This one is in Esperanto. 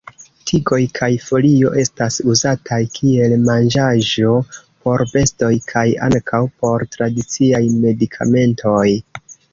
Tigoj kaj folio estas uzataj kiel manĝaĵo por bestoj kaj ankaŭ por tradiciaj medikamentoj.